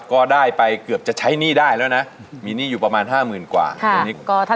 ก็ได้ไปเกือบจะใช้หนี้ได้แล้วนะมีหนี้อยู่ประมาณ๕๐๐๐กว่า